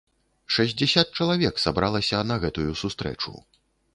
Шэсцьдзесят чалавек сабралася на гэтую сустрэчу!